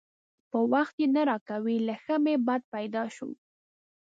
په وخت یې نه راکوي؛ له ښه مې بد پیدا شو.